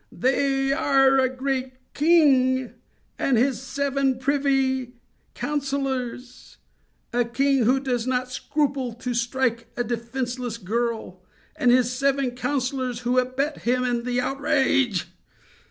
They are a great king and his seven privy councillors,—a king who does not scruple to strike a defenceless girl and his seven councillors who abet him in the outrage.